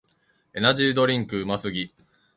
エナジードリンクうますぎ